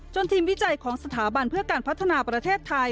ทีมวิจัยของสถาบันเพื่อการพัฒนาประเทศไทย